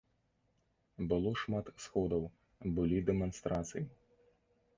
Было шмат сходаў, былі дэманстрацыі.